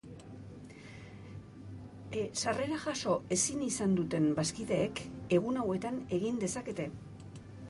Sarrera jaso ezin izan duten bazkideek egun hauetan egin dezakete.